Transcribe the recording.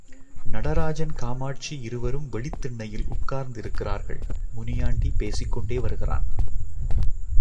நடராஜன் காமாட்சி இருவரும் வெளித் திண்ணையில் உட்கார்ந்திருக்கிறார்கள் முனியாண்டி பேசிக் கோண்டே வருகிறான்.